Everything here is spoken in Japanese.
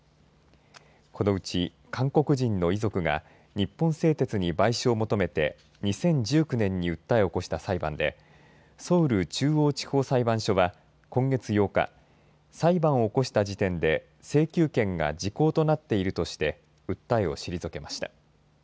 このうち韓国人の遺族が日本製鉄に賠償を求めて２０１９年に訴えを起こした裁判でソウル中央地方裁判所は今月８日裁判を起こした時点で請求権が時効となっているとして訴えを退けました。